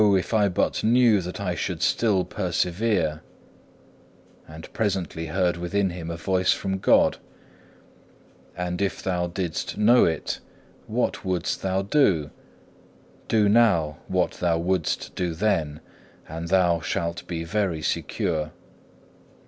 if I but knew that I should still persevere," and presently heard within him a voice from God, "And if thou didst know it, what wouldst thou do? Do now what thou wouldst do then, and thou shalt be very secure."